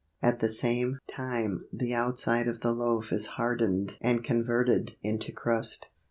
At the same time the outside of the loaf is hardened and converted into crust.